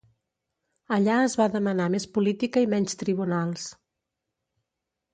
Allà es va demanar més política i menys tribunals.